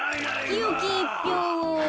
きよきいっぴょうを。